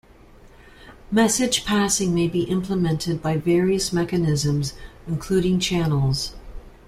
Message passing may be implemented by various mechanisms, including channels.